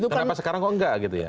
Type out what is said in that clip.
kenapa sekarang kok enggak gitu ya